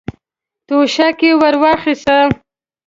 توشکه يې ور واخيسته.